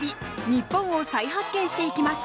日本を再発見していきます。